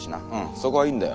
そこはいいんだよ。